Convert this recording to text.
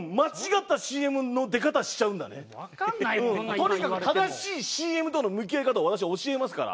とにかく正しいＣＭとの向き合い方私が教えますから。